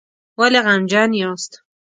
ولې غمجن یاست؟